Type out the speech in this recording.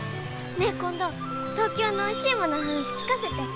ねえ今度東京のおいしいものの話聞かせて。